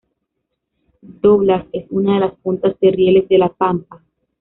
Doblas es una de las puntas de rieles de La Pampa.